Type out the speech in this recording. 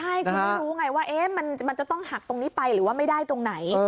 ใช่คือไม่รู้ไงว่ามันจะต้องหักตรงนี้ไปหรือว่าไม่ได้ตรงไหน